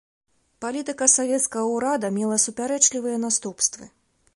Палітыка савецкага ўрада мела супярэчлівыя наступствы.